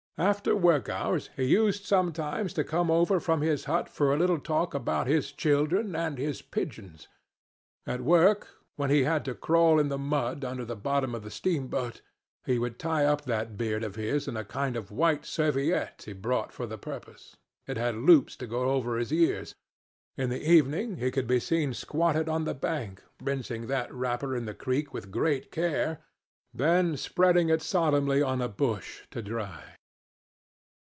After work hours he used sometimes to come over from his hut for a talk about his children and his pigeons; at work, when he had to crawl in the mud under the bottom of the steamboat, he would tie up that beard of his in a kind of white serviette he brought for the purpose. It had loops to go over his ears. In the evening he could be seen squatted on the bank rinsing that wrapper in the creek with great care, then spreading it solemnly on a bush to dry.